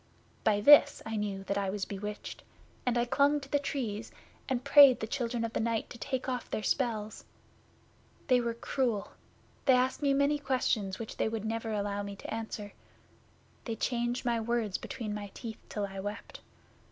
By this I knew that I was bewitched, and I clung to the Trees, and prayed the Children of the Night to take off their spells. They were cruel. They asked me many questions which they would never allow me to answer. They changed my words between my teeth till I wept.